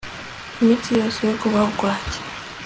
iminsi yose y'ukubaho kwanjye